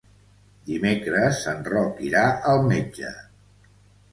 Dimecres en Roc irà al metge.